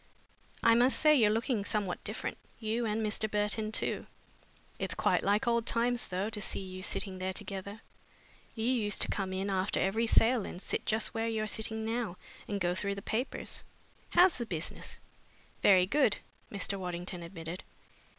I must say you're looking somehow different, you and Mr. Burton too. It's quite like old times, though, to see you sitting there together. You used to come in after every sale and sit just where you're sitting now and go through the papers. How's the business?" "Very good," Mr. Waddington admitted.